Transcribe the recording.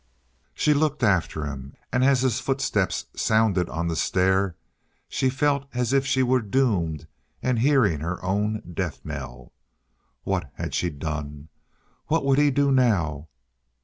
She looked after him, and as his footsteps sounded on the stair she felt as if she were doomed and hearing her own death knell. What had she done? What would he do now?